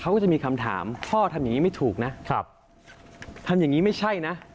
เขาก็จะมีคำถามพ่อทำอย่างนี้ไม่ถูกนะครับทำอย่างนี้ไม่ใช่นะ